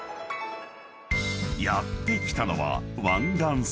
［やって来たのは湾岸線］